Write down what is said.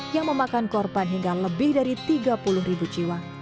yang memakan korban hingga lebih dari tiga puluh ribu jiwa